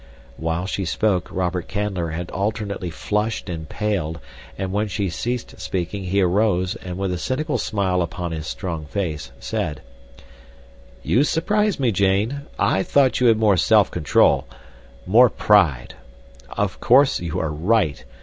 While she spoke Robert Canler had alternately flushed and paled, and when she ceased speaking he arose, and with a cynical smile upon his strong face, said: "You surprise me, Jane. I thought you had more self control—more pride. Of course you are right.